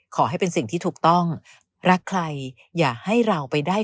ขอให้เป็นสิ่งที่ถูกต้องรักใครอย่าให้เราไปได้